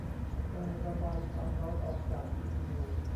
การระบายความร้อนออกจากซีพียู